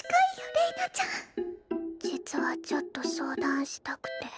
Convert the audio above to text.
実はちょっと相談したくて。